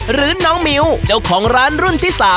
หรือน้องมิ้วเจ้าของร้านรุ่นที่๓